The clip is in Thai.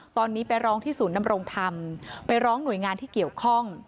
ตอนนี้ไปร้องที่ศูนย์นำรงธรรมไปร้องหน่วยงานที่เกี่ยวข้อง